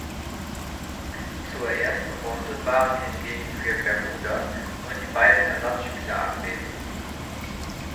Zur ersten Runde waren hingegen für Bermuda nur die beiden Ersatzspieler anwesend.